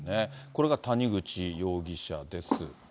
これが谷口容疑者です。